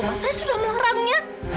mas saya sudah mengarangnya